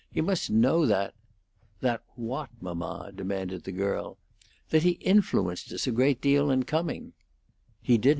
He must know that " "That what, mamma?" demanded the girl. "That he influenced us a great deal in coming " "He didn't.